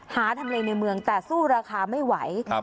หาทำเลในเมืองแต่สู้ราคาไม่ไหว